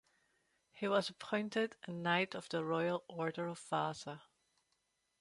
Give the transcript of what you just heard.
He was appointed a Knight of the Royal Order of Vasa.